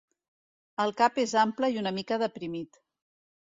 El cap és ample i una mica deprimit.